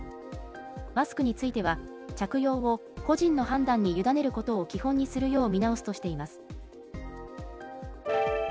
マスクについては、着用を個人の判断に委ねることを基本にするよう見直すとしています。